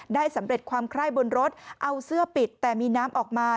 สำเร็จความไคร้บนรถเอาเสื้อปิดแต่มีน้ำออกมา